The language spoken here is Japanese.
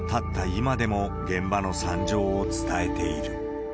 今でも、現場の惨状を伝えている。